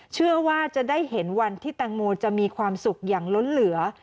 เชื่อว่าจะได้เห็นวันที่แตงโมจะมีความสุขอย่างล้นเหลือ